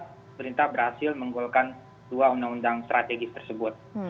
pemerintah berhasil menggolkan dua undang undang strategis tersebut